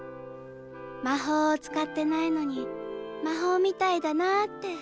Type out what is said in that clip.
魔法を使ってないのに魔法みたいだなって。